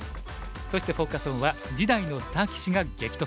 そしてフォーカス・オンは「次代のスター棋士が激突！